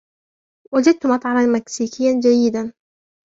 وجدت مطعما مكسيكيا جيدا.